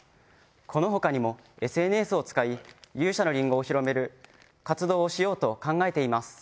この他にもＳＮＳを使い勇者のりんごを広める活動をしようと考えています。